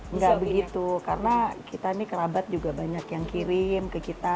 nggak begitu karena kita ini kerabat juga banyak yang kirim ke kita